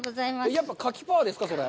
やっぱりカキパワーですか。